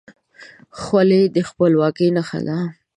خولۍ د خپلواکۍ نښه ده.